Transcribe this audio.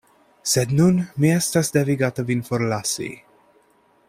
Sed nun mi estas devigata vin forlasi.